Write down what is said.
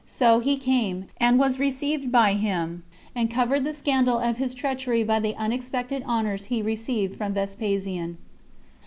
So he came, and was received by him, and covered the scandal of his treachery by the unexpected honors he received from Vespasian.